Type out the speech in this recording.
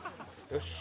よし！